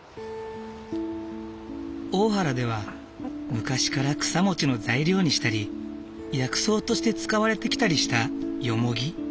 大原では昔から草餅の材料にしたり薬草として使われてきたりしたヨモギ。